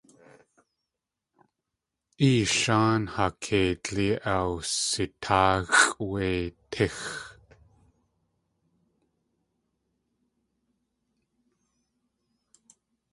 Eesháan, haa keidlí awsitáaxʼ wé tíx.